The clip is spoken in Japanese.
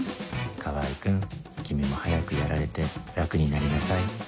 川合君君も早くやられて楽になりなさい